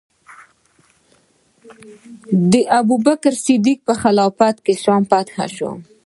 د ابوبکر صدیق په خلافت کې شام فتح شو.